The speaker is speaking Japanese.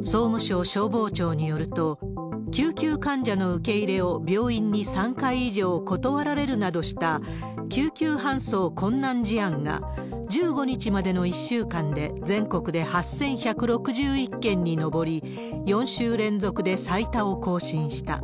総務省消防庁によると、救急患者の受け入れを病院に３回以上断られるなどした救急搬送困難事案が、１５日までの１週間で、全国で８１６１件に上り、４週連続で最多を更新した。